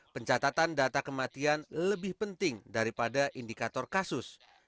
pencatatan data kematian lebih penting daripada indikator kasus